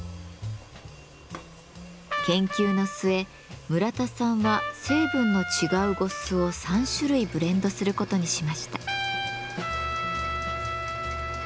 研究の末村田さんは成分の違う呉須を３種類ブレンドすることにしました。